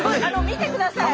見てください。